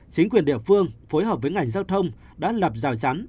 chính quyền địa phương phối hợp với ngành giao thông đã lập rào rắn